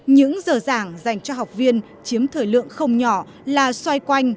những giờ giảng dành cho học viên chiếm thời lượng không nhỏ là xoay quanh